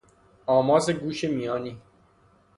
آماس گوش میانی